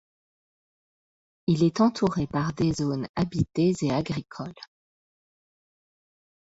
Il est entouré par des zones habitées et agricoles.